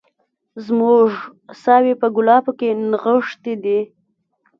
زموږ ساوي په ګلابو کي نغښتي دي